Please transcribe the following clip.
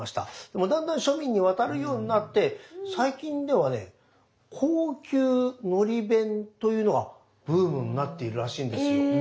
でもだんだん庶民に渡るようになって最近ではね「高級のり弁」というのがブームになっているらしいんですよ。